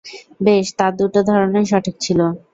বেশ, তার দুটো ধারণাই সঠিক ছিল।